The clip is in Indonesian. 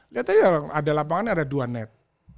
lihat aja ada lapangan yang ada dua net